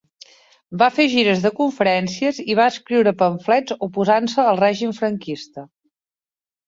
Va fer gires de conferències i va escriure pamflets oposant-se al règim franquista.